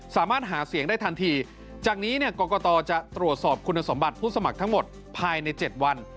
สามารถหาเสียงได้ทันทีจากนี้เนี่ยกรกตจะตรวจสอบคุณสมบัติผู้สมัครทั้งหมดภายใน๗วัน